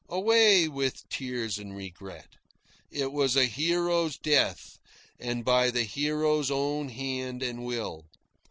Away with tears and regret. It was a hero's death, and by the hero's own hand and will.